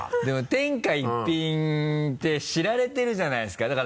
でも「天下一品」って知られてるじゃないですか。